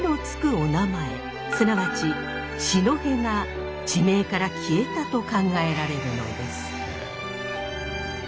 お名前すなわち「四戸」が地名から消えたと考えられるのです。